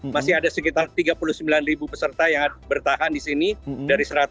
masih ada sekitar tiga puluh sembilan peserta yang bertahan di sini dari satu ratus lima puluh enam negara